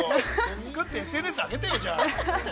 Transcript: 作って、ＳＮＳ挙げてよ、じゃあ。